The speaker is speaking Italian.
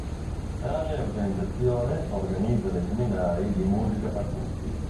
Tale organizzazione organizza dei seminari di “musica per tutti”.